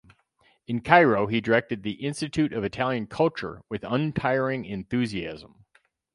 In Cairo he directed the Institute of Italian Culture with untiring enthusiasm.